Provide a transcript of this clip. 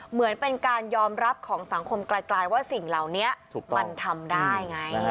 เหมือนเป็นการยอมรับของสังคมไกลว่าสิ่งเหล่านี้มันทำได้ไง